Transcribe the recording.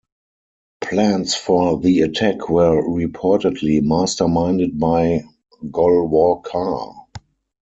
Plans for the attack were reportedly masterminded by Golwalkar.